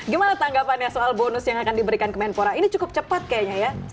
gimana tanggapannya soal bonus yang akan diberikan kemenpora ini cukup cepat kayaknya ya